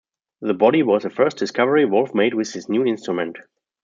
The body was the first discovery Wolf made with his new instrument.